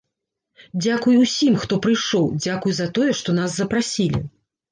Дзякуй усім, хто прыйшоў, дзякуй за тое, што нас запрасілі.